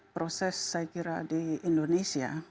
proses saya kira di indonesia